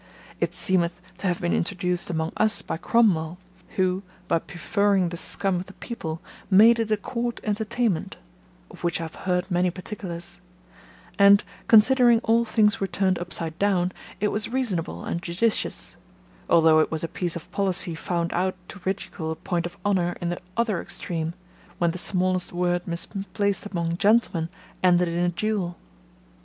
It seemeth to have been introduced among us by Cromwell, who, by preferring the scum of the people, made it a court entertainment, of which I have heard many particulars; and, considering all things were turned upside down, it was reasonable and judicious: Although it was a piece of policy found out to ridicule a point of honour in the other extreme, when the smallest word misplaced among gentlemen ended in a duel.